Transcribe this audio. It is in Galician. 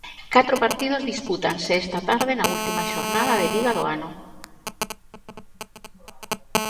Catro partidos dispútanse esta tarde na última xornada de Liga do ano.